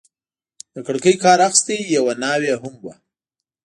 د کړکۍ کار اخیسته، یوه ناوې هم وه.